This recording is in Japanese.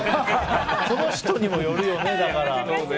その人にもよるよね。